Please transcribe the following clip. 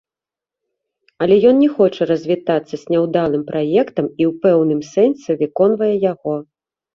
Але ён не хоча развітвацца з няўдалым праектам і ў пэўным сэнсе выконвае яго.